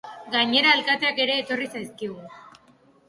Gainera, alkateak ere etorri zaizkigu.